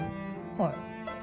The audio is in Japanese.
はい。